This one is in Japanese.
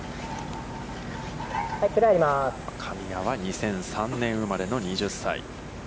神谷は２００３年生まれの２０歳。